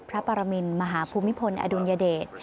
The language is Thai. พระปรมินมหาภูมิพลอดุลยเดช